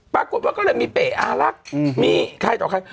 ปรากฏว่าก็เลยมีเป๋อารักษ์มีใครต่อใคร